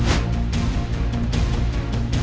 ไม่ถูกแจกเลยนะ